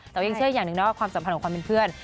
แต่ว่ายังเชื่ออย่างหนึ่งนะว่าความสัมพันธ์ของความเป็นเพื่อน